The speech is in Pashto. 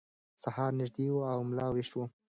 سهار نږدې و او ملا ویښ و.